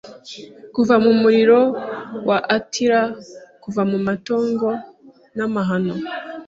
Kuva mu muriro wa Attila kuva mu matongo n'amahano